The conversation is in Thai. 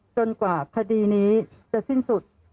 กว่าคดีนี้จะสิ้นสุด